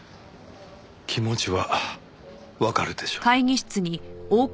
気持ちはわかるでしょう？